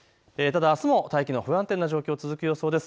ただあすも大気の不安定な状態続く予想です。